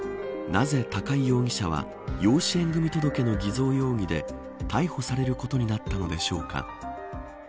なぜ高井容疑者は養子縁組届の偽造容疑で逮捕されることになったのでしょうか。